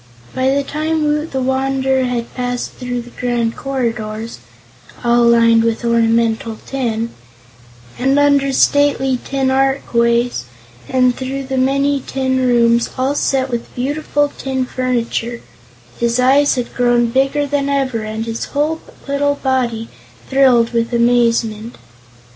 By the time Woot the Wanderer had passed through the grand corridors all lined with ornamental tin and under stately tin archways and through the many tin rooms all set with beautiful tin furniture, his eyes had grown bigger than ever and his whole little body thrilled with amazement.